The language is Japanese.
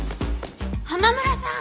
浜村さん！